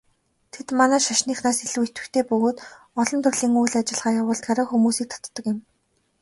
Тэд манай шашныхаас илүү идэвхтэй бөгөөд олон төрлийн үйл ажиллагаа явуулдгаараа хүмүүсийг татдаг юм.